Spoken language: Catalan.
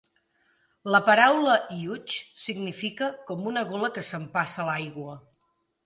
La paraula igiugig significa "com una gola que s'empassa aigua".